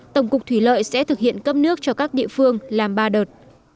tổng cục thủy lợi sẽ thực hiện cấp nước cho các địa phương làm ba đợt